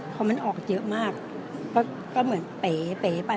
เพราะมันออกเยอะมากก็เหมือนเป๋เป๋ไป